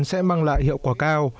sẽ mang lại hiệu quả cao